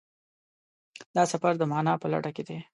دا سفر د مانا په لټه کې دی.